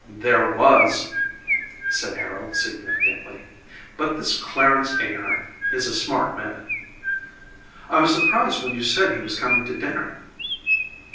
"There WAS," said Harold significantly, "but this Clarence Ahearn is a smart man." "I was surprised when you said he was coming to dinner."